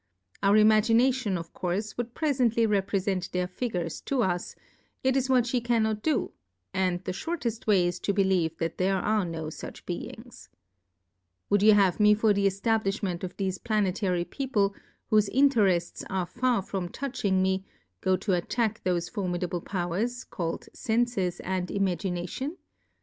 Our Imagination of Courfe w^ould prefently reprefent their Figures to us, it is what ihe cannot do, and the iliortettWay is to believe there are no fuch Beings. Would you have me for tlie Ertabliiliment of thefe Planetary People, whofe Interefts are far from touching Plurality (?/ WORLDS. itSp touching me, go to attack thofe formi dable Powers, caird Senfes and Imagi nation ?